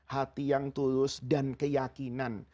hati yang tulus dan keyakinan